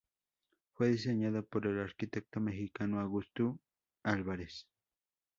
Fue diseñada por el arquitecto mexicano Augusto H. Álvarez.